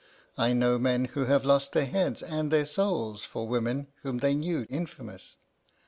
I know men who have lost their heads and their souls for women whom they knew infamous.